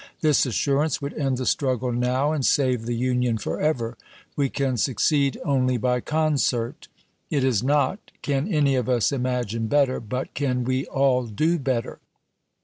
This assurance would end the struggle now and save the Union forever. .. "We can succeed only by concert. It is not, " Can any of us imagine better ?" but, " Can we all do better?"